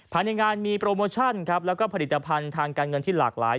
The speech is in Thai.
ภายในงานมีโปรโมชั่นครับแล้วก็ผลิตภัณฑ์ทางการเงินที่หลากหลาย